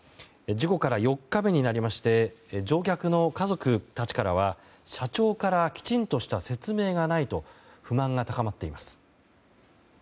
事故から４日目になりまして乗客の家族たちからは社長からきちんとした説明がないと不満が高まっています。